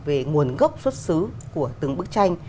về nguồn gốc xuất xứ của từng bức tranh